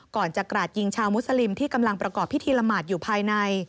ก่อนจะกราดยิงชาวมุสลิมที่กำลังประกอบพิธีละหมาดอยู่ภายใน